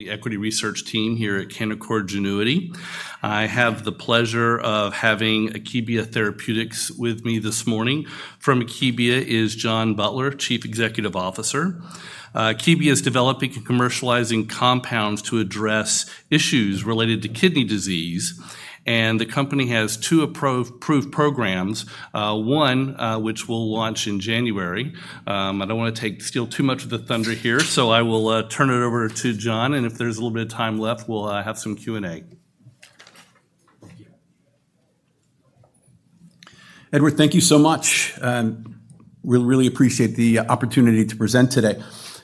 ...the equity research team here at Canaccord Genuity. I have the pleasure of having Akebia Therapeutics with me this morning. From Akebia is John Butler, Chief Executive Officer. Akebia is developing and commercializing compounds to address issues related to kidney disease, and the company has two approved programs, one, which we'll launch in January. I don't want to steal too much of the thunder here, so I will turn it over to John, and if there's a little bit of time left, we'll have some Q&A. Thank you. Edward, thank you so much, and we really appreciate the opportunity to present today.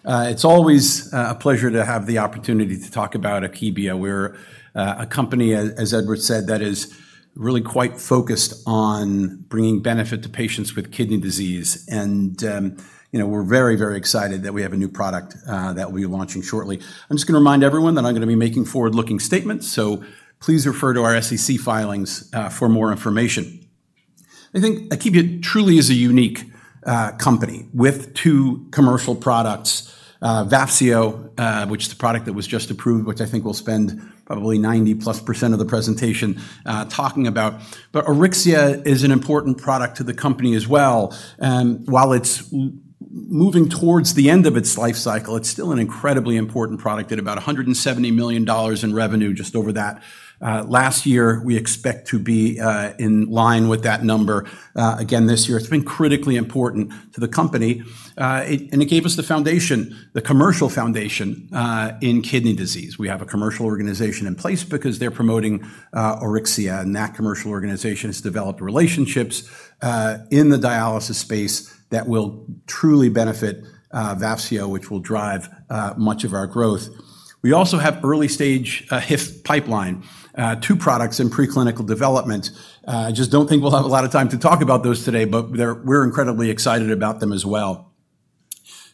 It's always a pleasure to have the opportunity to talk about Akebia. We're a company, as Edward said, that is really quite focused on bringing benefit to patients with kidney disease. And you know, we're very, very excited that we have a new product that we'll be launching shortly. I'm just going to remind everyone that I'm going to be making forward-looking statements, so please refer to our SEC filings for more information. I think Akebia truly is a unique company with two commercial products, Vafseo, which is the product that was just approved, which I think we'll spend probably 90%+ of the presentation talking about. Auryxia is an important product to the company as well, and while it's moving towards the end of its life cycle, it's still an incredibly important product at about $170 million in revenue, just over that. Last year, we expect to be in line with that number again this year. It's been critically important to the company. It and it gave us the foundation, the commercial foundation in kidney disease. We have a commercial organization in place because they're promoting Auryxia, and that commercial organization has developed relationships in the dialysis space that will truly benefit Vafseo, which will drive much of our growth. We also have early-stage HIF pipeline, 2 products in preclinical development. I just don't think we'll have a lot of time to talk about those today, but they're, we're incredibly excited about them as well.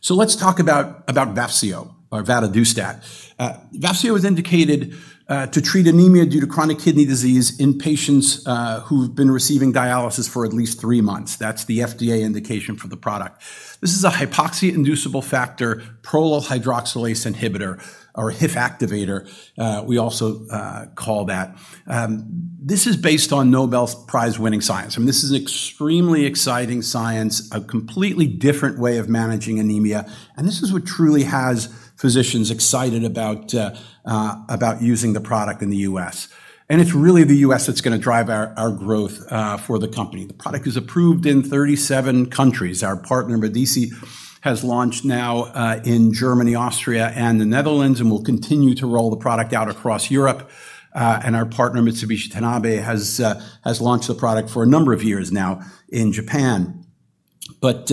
So let's talk about Vafseo or vadadustat. Vafseo is indicated to treat anemia due to chronic kidney disease in patients who've been receiving dialysis for at least three months. That's the FDA indication for the product. This is a hypoxia-inducible factor prolyl hydroxylase inhibitor or HIF activator we also call that. This is based on Nobel Prize-winning science. I mean, this is extremely exciting science, a completely different way of managing anemia, and this is what truly has physicians excited about using the product in the U.S. It's really the U.S. that's going to drive our growth for the company. The product is approved in 37 countries. Our partner, Medice, has launched now in Germany, Austria, and the Netherlands, and will continue to roll the product out across Europe. And our partner, Mitsubishi Tanabe, has launched the product for a number of years now in Japan. But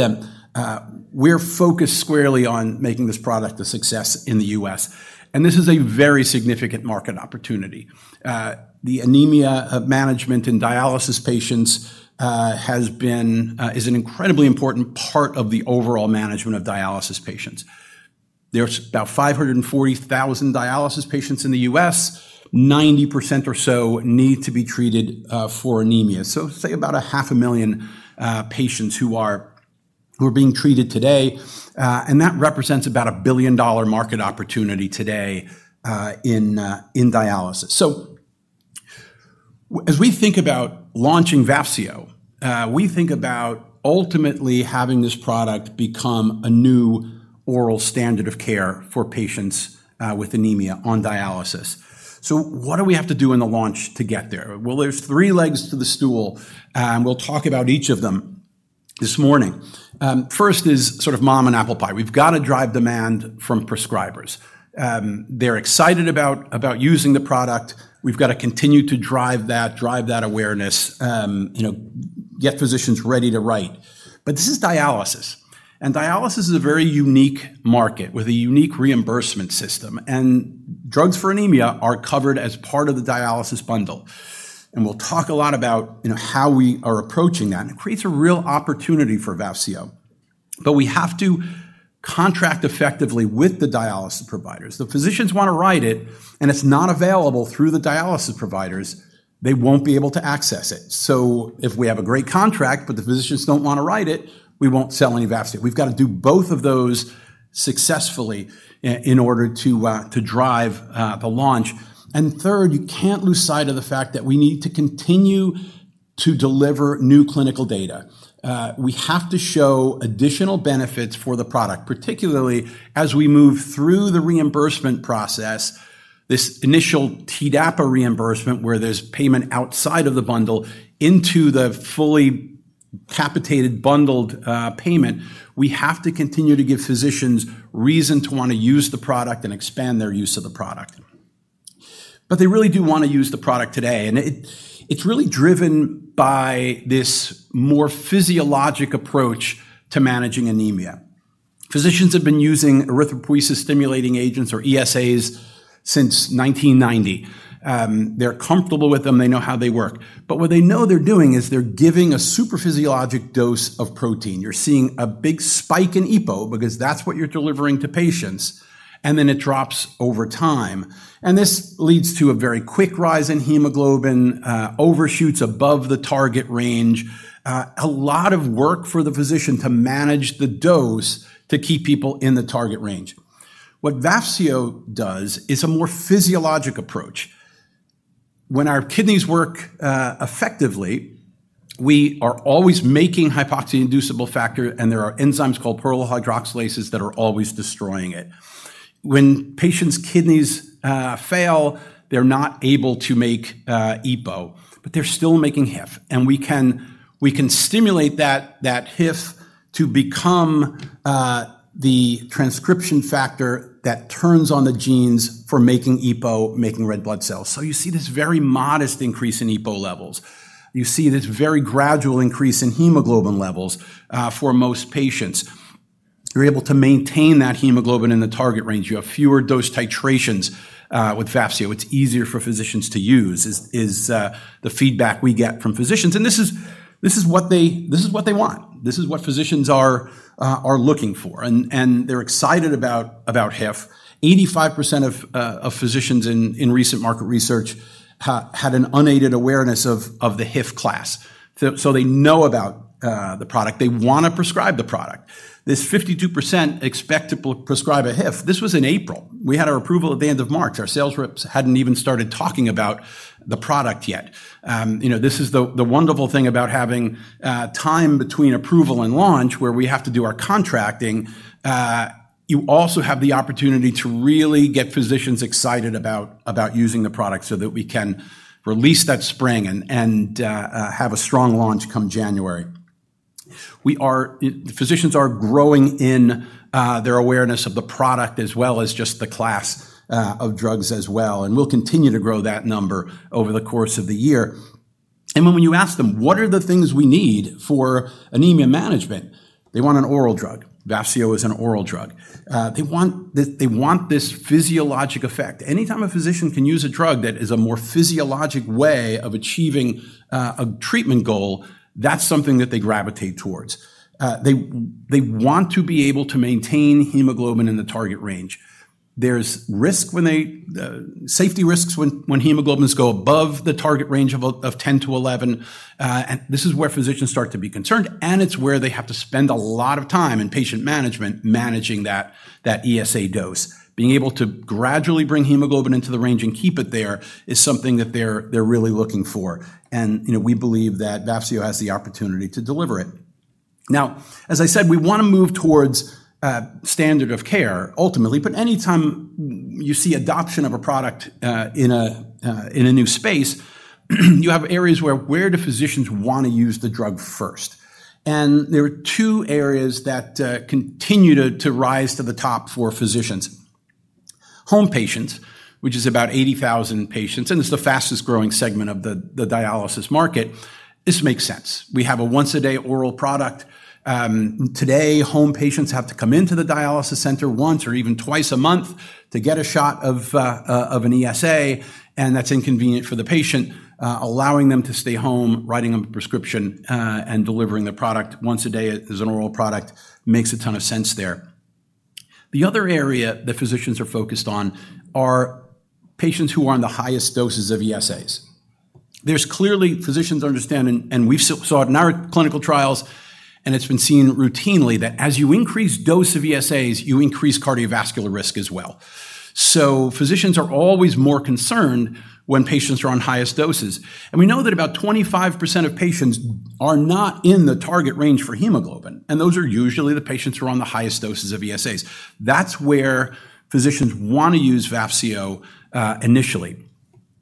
we're focused squarely on making this product a success in the U.S., and this is a very significant market opportunity. The anemia management in dialysis patients is an incredibly important part of the overall management of dialysis patients. There's about 540,000 dialysis patients in the U.S. 90% or so need to be treated for anemia. So say about 500,000 patients who are being treated today, and that represents about a billion-dollar market opportunity today in dialysis. So as we think about launching Vafseo, we think about ultimately having this product become a new oral standard of care for patients with anemia on dialysis. So what do we have to do in the launch to get there? Well, there's three legs to the stool, and we'll talk about each of them this morning. First is sort of mom and apple pie. We've got to drive demand from prescribers. They're excited about, about using the product. We've got to continue to drive that, drive that awareness, you know, get physicians ready to write. But this is dialysis, and dialysis is a very unique market with a unique reimbursement system, and drugs for anemia are covered as part of the dialysis bundle. We'll talk a lot about, you know, how we are approaching that, and it creates a real opportunity for Vafseo. But we have to contract effectively with the dialysis providers. The physicians want to write it, and it's not available through the dialysis providers, they won't be able to access it. So if we have a great contract, but the physicians don't want to write it, we won't sell any Vafseo. We've got to do both of those successfully in order to drive the launch. And third, you can't lose sight of the fact that we need to continue to deliver new clinical data. We have to show additional benefits for the product, particularly as we move through the reimbursement process, this initial TDAPA reimbursement, where there's payment outside of the bundle into the fully capitated, bundled payment. We have to continue to give physicians reason to want to use the product and expand their use of the product. But they really do want to use the product today, and it, it's really driven by this more physiologic approach to managing anemia. Physicians have been using erythropoiesis-stimulating agents or ESAs since 1990. They're comfortable with them, they know how they work. But what they know they're doing is they're giving a super physiologic dose of protein. You're seeing a big spike in EPO because that's what you're delivering to patients, and then it drops over time. And this leads to a very quick rise in hemoglobin, overshoots above the target range. A lot of work for the physician to manage the dose to keep people in the target range. What Vafseo does is a more physiologic approach. When our kidneys work, effectively, we are always making hypoxia-inducible factor, and there are enzymes called prolyl hydroxylases that are always destroying it. When patients' kidneys fail, they're not able to make EPO, but they're still making HIF. And we can stimulate that HIF to become the transcription factor that turns on the genes for making EPO, making red blood cells. So you see this very modest increase in EPO levels. You see this very gradual increase in hemoglobin levels for most patients. You're able to maintain that hemoglobin in the target range. You have fewer dose titrations with Vafseo. It's easier for physicians to use, is the feedback we get from physicians, and this is what they want. This is what physicians are looking for, and they're excited about HIF. 85% of physicians in recent market research had an unaided awareness of the HIF class. So, they know about the product. They want to prescribe the product. This 52% expect to prescribe a HIF. This was in April. We had our approval at the end of March. Our sales reps hadn't even started talking about the product yet. You know, this is the wonderful thing about having time between approval and launch, where we have to do our contracting. You also have the opportunity to really get physicians excited about using the product so that we can release that spring and have a strong launch come January. Physicians are growing in their awareness of the product, as well as just the class of drugs as well, and we'll continue to grow that number over the course of the year. When you ask them, "What are the things we need for anemia management?" They want an oral drug. Vafseo is an oral drug. They want this physiologic effect. Anytime a physician can use a drug that is a more physiologic way of achieving a treatment goal, that's something that they gravitate towards. They want to be able to maintain hemoglobin in the target range. There's safety risks when hemoglobins go above the target range of 10-11, and this is where physicians start to be concerned, and it's where they have to spend a lot of time in patient management, managing that ESA dose. Being able to gradually bring hemoglobin into the range and keep it there is something that they're really looking for, and, you know, we believe that Vafseo has the opportunity to deliver it. Now, as I said, we want to move towards a standard of care, ultimately, but anytime you see adoption of a product in a new space, you have areas where do physicians want to use the drug first? There are two areas that continue to rise to the top for physicians. Home patients, which is about 80,000 patients, and it's the fastest-growing segment of the dialysis market. This makes sense. We have a once-a-day oral product. Today, home patients have to come into the dialysis center once or even twice a month to get a shot of an ESA, and that's inconvenient for the patient. Allowing them to stay home, writing them a prescription, and delivering the product once a day as an oral product makes a ton of sense there. The other area that physicians are focused on are patients who are on the highest doses of ESAs. There's clearly physicians understand, and we saw it in our clinical trials, and it's been seen routinely, that as you increase dose of ESAs, you increase cardiovascular risk as well. So physicians are always more concerned when patients are on highest doses. We know that about 25% of patients are not in the target range for hemoglobin, and those are usually the patients who are on the highest doses of ESAs. That's where physicians want to use Vafseo initially.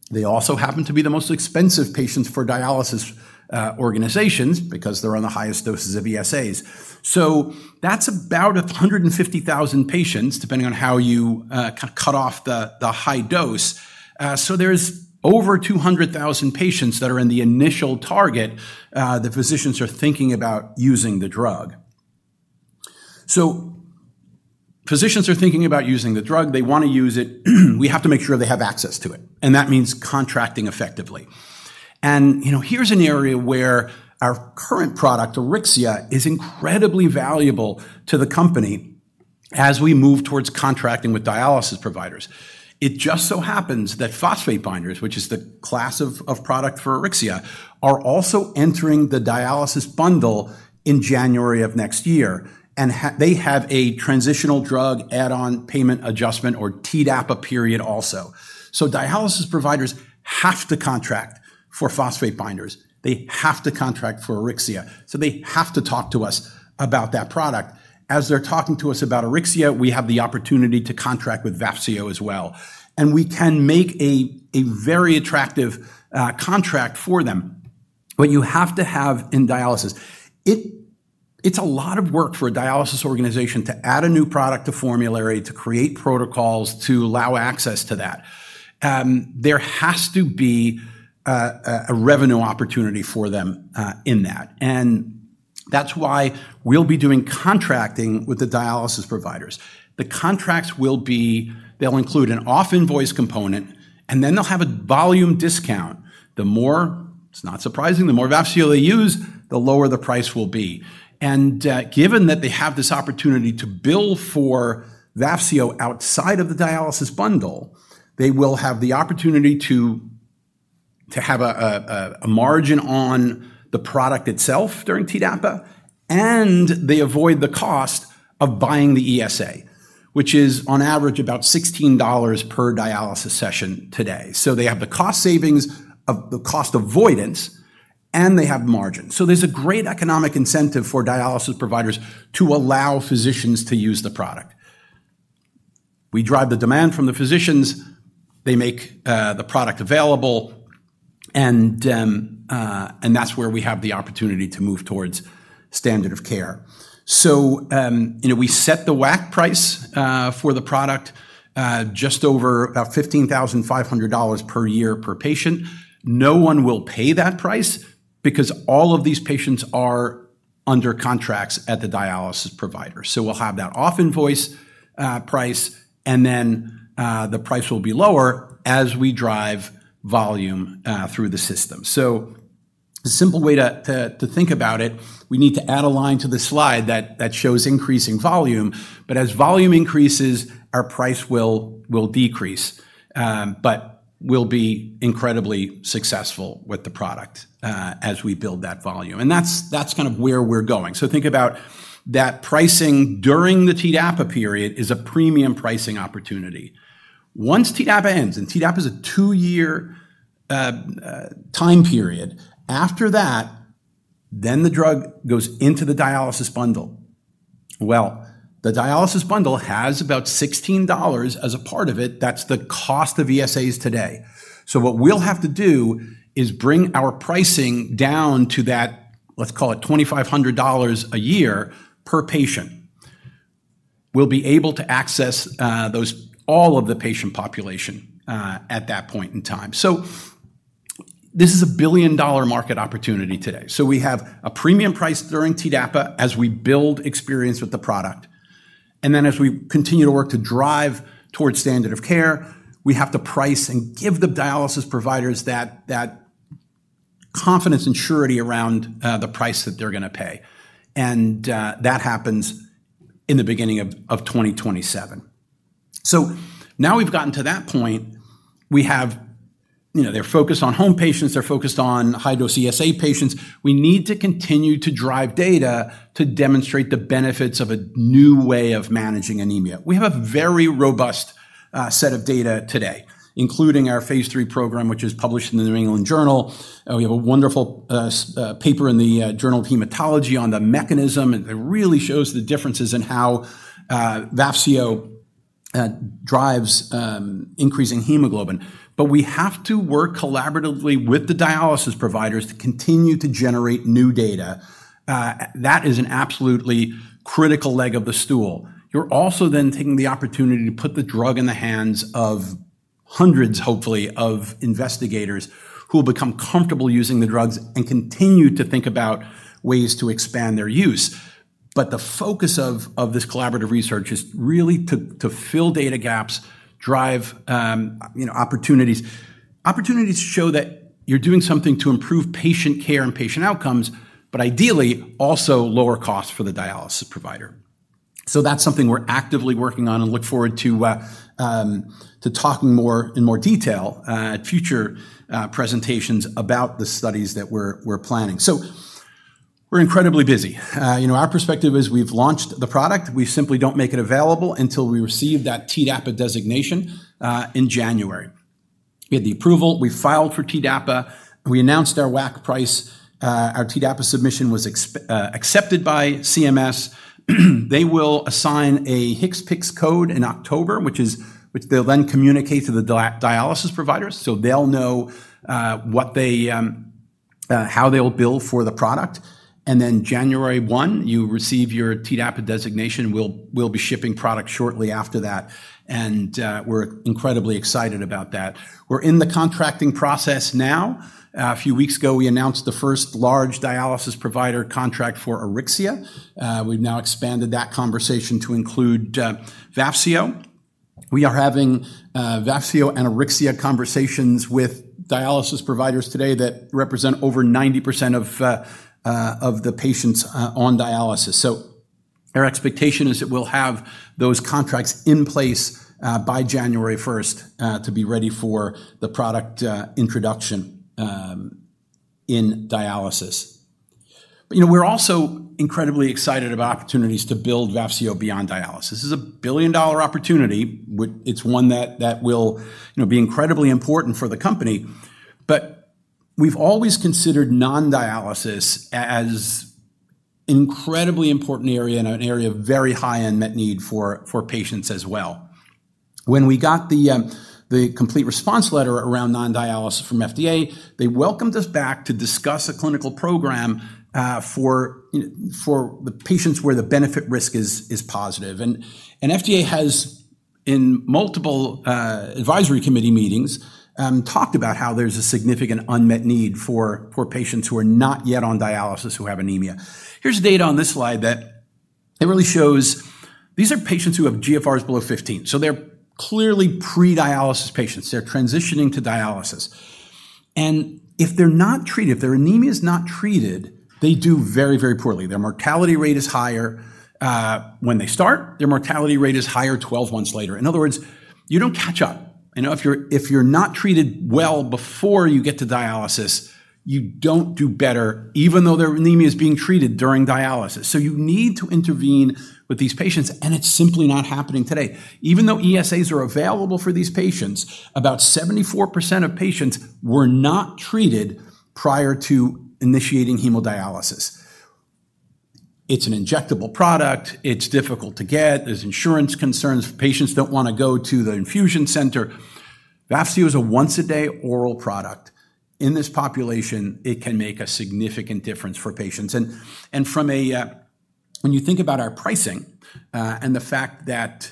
They also happen to be the most expensive patients for dialysis organizations because they're on the highest doses of ESAs. So that's about 150,000 patients, depending on how you cut off the high dose. So there's over 200,000 patients that are in the initial target that physicians are thinking about using the drug. So physicians are thinking about using the drug. They want to use it. We have to make sure they have access to it, and that means contracting effectively. You know, here's an area where our current product, Auryxia, is incredibly valuable to the company as we move towards contracting with dialysis providers. It just so happens that phosphate binders, which is the class of product for Auryxia, are also entering the dialysis bundle in January of next year, and they have a Transitional Drug Add-on Payment Adjustment or TDAPA period also. So dialysis providers have to contract for phosphate binders. They have to contract for Auryxia, so they have to talk to us about that product. As they're talking to us about Auryxia, we have the opportunity to contract with Vafseo as well, and we can make a very attractive contract for them. But you have to have in dialysis... It's a lot of work for a dialysis organization to add a new product to formulary, to create protocols, to allow access to that. There has to be a revenue opportunity for them in that, and that's why we'll be doing contracting with the dialysis providers. The contracts will be—they'll include an off-invoice component, and then they'll have a volume discount. The more, it's not surprising, the more Vafseo they use, the lower the price will be. And given that they have this opportunity to bill for Vafseo outside of the dialysis bundle, they will have the opportunity to have a margin on the product itself during TDAPA, and they avoid the cost of buying the ESA, which is on average about $16 per dialysis session today. So they have the cost savings of the cost avoidance, and they have margin. So there's a great economic incentive for dialysis providers to allow physicians to use the product. We drive the demand from the physicians, they make the product available, and that's where we have the opportunity to move towards standard of care. So, you know, we set the WAC price for the product just over about $15,500 per year per patient. No one will pay that price because all of these patients are under contracts at the dialysis provider. So we'll have that off-invoice price, and then the price will be lower as we drive volume through the system. So a simple way to think about it, we need to add a line to the slide that shows increasing volume. But as volume increases, our price will decrease, but we'll be incredibly successful with the product as we build that volume. And that's kind of where we're going. So think about that pricing during the TDAPA period is a premium pricing opportunity. Once TDAPA ends, and TDAPA is a two-year time period, after that, then the drug goes into the dialysis bundle. Well, the dialysis bundle has about $16 as a part of it. That's the cost of ESAs today. So what we'll have to do is bring our pricing down to that, let's call it $2,500 a year per patient. We'll be able to access, those all of the patient population, at that point in time. So this is a billion-dollar market opportunity today. So we have a premium price during TDAPA as we build experience with the product. And then as we continue to work to drive towards standard of care, we have to price and give the dialysis providers that confidence and surety around the price that they're gonna pay, and that happens in the beginning of 2027. So now we've gotten to that point. We have. You know, they're focused on home patients, they're focused on high-dose ESA patients. We need to continue to drive data to demonstrate the benefits of a new way of managing anemia. We have a very robust set of data today, including our Phase III program, which is published in the New England Journal. We have a wonderful paper in the Journal of Hematology on the mechanism, and it really shows the differences in how Vafseo drives increasing hemoglobin. But we have to work collaboratively with the dialysis providers to continue to generate new data. That is an absolutely critical leg of the stool. You're also then taking the opportunity to put the drug in the hands of hundreds, hopefully, of investigators who will become comfortable using the drugs and continue to think about ways to expand their use. But the focus of this collaborative research is really to fill data gaps, drive, you know, opportunities. Opportunities to show that you're doing something to improve patient care and patient outcomes, but ideally, also lower cost for the dialysis provider. So that's something we're actively working on and look forward to to talking more in more detail at future presentations about the studies that we're planning. So we're incredibly busy. You know, our perspective is we've launched the product. We simply don't make it available until we receive that TDAPA designation in January. We had the approval, we filed for TDAPA, we announced our WAC price. Our TDAPA submission was accepted by CMS. They will assign a HCPCS code in October, which they'll then communicate to the dialysis providers, so they'll know what they how they'll bill for the product. And then January one, you receive your TDAPA designation, we'll be shipping product shortly after that, and we're incredibly excited about that. We're in the contracting process now. A few weeks ago, we announced the first large dialysis provider contract for Auryxia. We've now expanded that conversation to include Vafseo. We are having Vafseo and Auryxia conversations with dialysis providers today that represent over 90% of the patients on dialysis. So our expectation is that we'll have those contracts in place by January first to be ready for the product introduction in dialysis. But, you know, we're also incredibly excited about opportunities to build Vafseo beyond dialysis. This is a billion-dollar opportunity, it's one that will, you know, be incredibly important for the company. But we've always considered non-dialysis as incredibly important area and an area of very high unmet need for patients as well. When we got the complete response letter around non-dialysis from FDA, they welcomed us back to discuss a clinical program for the patients where the benefit risk is positive. And FDA has, in multiple advisory committee meetings, talked about how there's a significant unmet need for poor patients who are not yet on dialysis, who have anemia. Here's data on this slide that it really shows these are patients who have GFRs below 15, so they're clearly pre-dialysis patients. They're transitioning to dialysis. And if they're not treated, if their anemia is not treated, they do very, very poorly. Their mortality rate is higher when they start, their mortality rate is higher 12 months later. In other words, you don't catch up. You know, if you're not treated well before you get to dialysis-... You don't do better, even though their anemia is being treated during dialysis. So you need to intervene with these patients, and it's simply not happening today. Even though ESAs are available for these patients, about 74% of patients were not treated prior to initiating hemodialysis. It's an injectable product, it's difficult to get, there's insurance concerns, patients don't want to go to the infusion center. Vafseo is a once-a-day oral product. In this population, it can make a significant difference for patients. And from a, when you think about our pricing, and the fact that,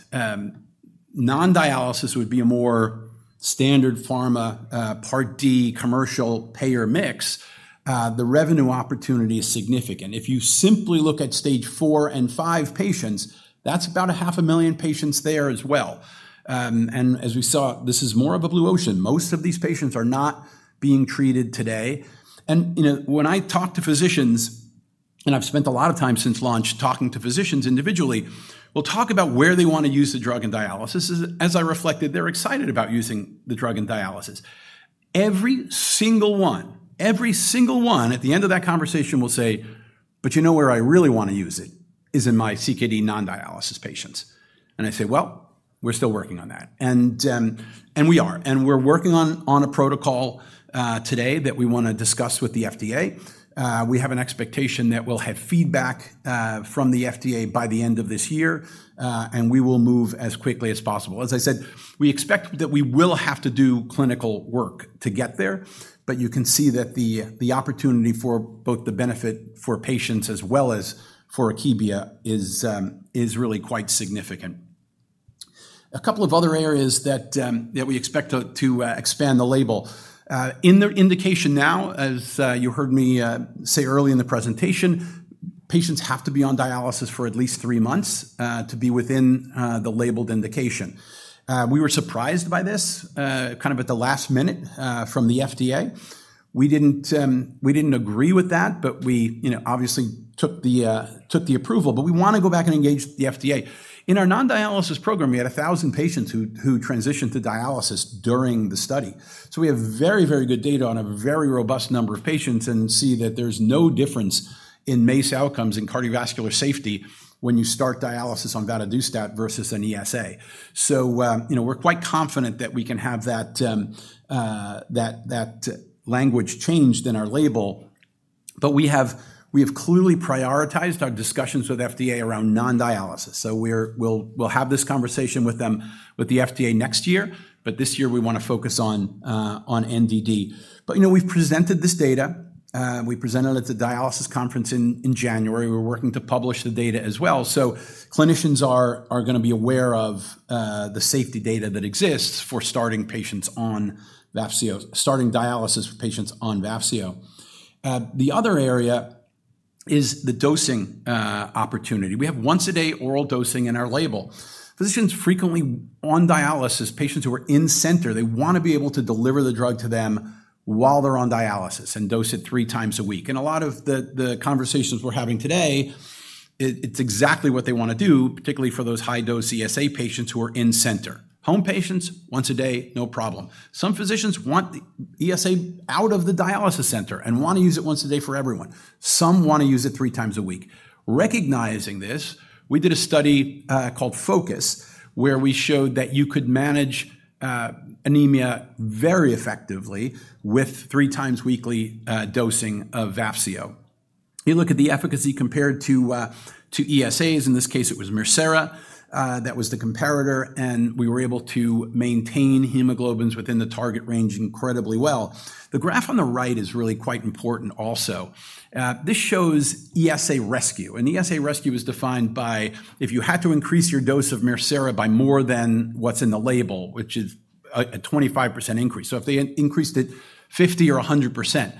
non-dialysis would be a more standard pharma, Part D commercial payer mix, the revenue opportunity is significant. If you simply look at Stage 4 and 5 patients, that's about 500,000 patients there as well. And as we saw, this is more of a blue ocean. Most of these patients are not being treated today. And, you know, when I talk to physicians, and I've spent a lot of time since launch talking to physicians individually, we'll talk about where they want to use the drug in dialysis. As I reflected, they're excited about using the drug in dialysis. Every single one, every single one, at the end of that conversation will say, "But you know where I really want to use it? Is in my CKD non-dialysis patients." And I say, "Well, we're still working on that." And we are, and we're working on a protocol today that we wanna discuss with the FDA. We have an expectation that we'll have feedback from the FDA by the end of this year, and we will move as quickly as possible. As I said, we expect that we will have to do clinical work to get there, but you can see that the opportunity for both the benefit for patients as well as for Akebia is really quite significant. A couple of other areas that we expect to expand the label. In the indication now, as you heard me say early in the presentation, patients have to be on dialysis for at least three months to be within the labeled indication. We were surprised by this kind of at the last minute from the FDA. We didn't agree with that, but we, you know, obviously took the approval, but we wanna go back and engage the FDA. In our non-dialysis program, we had 1000 patients who transitioned to dialysis during the study. So we have very, very good data on a very robust number of patients and see that there's no difference in MACE outcomes and cardiovascular safety when you start dialysis on vadadustat versus an ESA. So, you know, we're quite confident that we can have that language changed in our label, but we have clearly prioritized our discussions with FDA around non-dialysis. So we'll have this conversation with them, with the FDA next year, but this year we want to focus on NDD. But, you know, we've presented this data. We presented it at the dialysis conference in January. We're working to publish the data as well. So clinicians are gonna be aware of the safety data that exists for starting patients on Vafseo, starting dialysis for patients on Vafseo. The other area is the dosing opportunity. We have once-a-day oral dosing in our label. Physicians frequently on dialysis, patients who are in-center, they want to be able to deliver the drug to them while they're on dialysis and dose it three times a week. And a lot of the conversations we're having today, it's exactly what they want to do, particularly for those high-dose ESA patients who are in-center. Home patients, once a day, no problem. Some physicians want ESA out of the dialysis center and want to use it once a day for everyone. Some want to use it three times a week. Recognizing this, we did a study called FO2CUS, where we showed that you could manage anemia very effectively with three times weekly dosing of Vafseo. You look at the efficacy compared to ESAs. In this case, it was Mircera that was the comparator, and we were able to maintain hemoglobins within the target range incredibly well. The graph on the right is really quite important also. This shows ESA rescue, and ESA rescue is defined by if you had to increase your dose of Mircera by more than what's in the label, which is a 25% increase. So if they increased it 50% or 100%,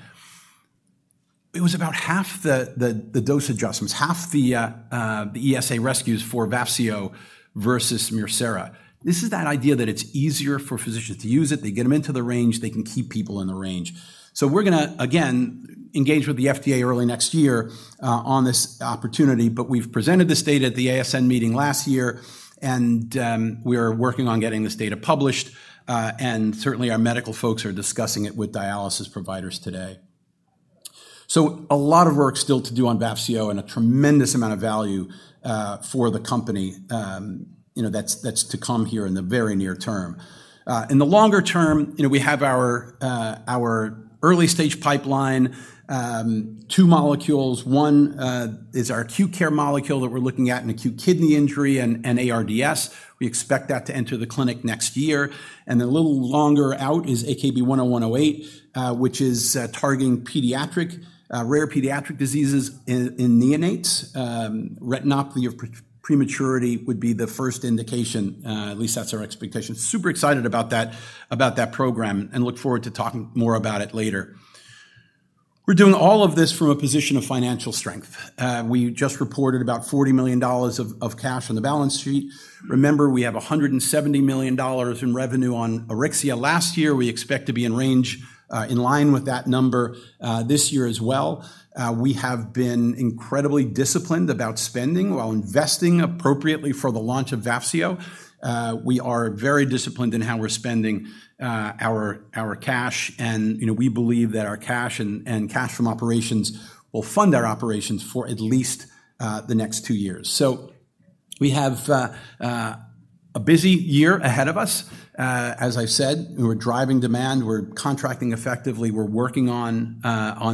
it was about half the dose adjustments, half the ESA rescues for Vafseo versus Mircera. This is that idea that it's easier for physicians to use it. They get them into the range, they can keep people in the range. So we're gonna, again, engage with the FDA early next year on this opportunity, but we've presented this data at the ASN meeting last year, and we are working on getting this data published, and certainly our medical folks are discussing it with dialysis providers today. So a lot of work still to do on Vafseo and a tremendous amount of value for the company. You know, that's, that's to come here in the very near term. In the longer term, you know, we have our early-stage pipeline, two molecules. One is our acute care molecule that we're looking at in acute kidney injury and ARDS. We expect that to enter the clinic next year. A little longer out is AKB-10108, which is targeting pediatric rare pediatric diseases in neonates. Retinopathy of prematurity would be the first indication, at least that's our expectation. Super excited about that, about that program, and look forward to talking more about it later. We're doing all of this from a position of financial strength. We just reported about $40 million of cash on the balance sheet. Remember, we have $170 million in revenue on Auryxia last year. We expect to be in range, in line with that number, this year as well. We have been incredibly disciplined about spending while investing appropriately for the launch of Vafseo. We are very disciplined in how we're spending our cash, and, you know, we believe that our cash and cash from operations will fund our operations for at least the next two years. So we have a busy year ahead of us. As I've said, we're driving demand, we're contracting effectively, we're working on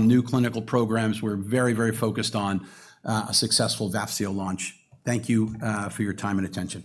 new clinical programs. We're very, very focused on a successful Vafseo launch. Thank you for your time and attention.